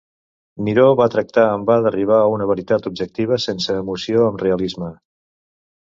Miró va tractar en va d'arribar a una veritat objectiva, sense emoció, amb realisme.